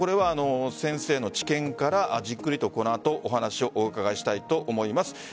先生の知見からじっくりとこの後お話をお伺いしたいと思います。